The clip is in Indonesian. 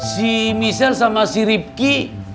si misel sama si rifki